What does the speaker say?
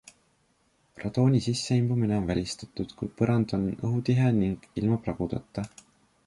Radooni sisseimbumine on välistatud, kui põrand on õhutihe ning ilma pragudeta.